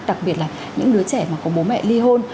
đặc biệt là những đứa trẻ mà có bố mẹ ly hôn